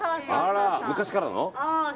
昔からの？